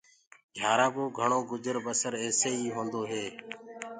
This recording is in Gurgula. گھيآرآنٚ ڪو گھڻو گُجر بسر ايسي ئي هوندو هي۔